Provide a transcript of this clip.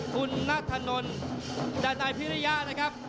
คุณนัทธานนท์ดันไอภิริยานะครับ